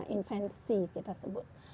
invensi kita sebut